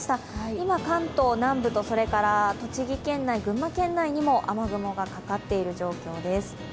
今、関東南部と栃木県内、群馬県内にも雨雲がかかっている状況です。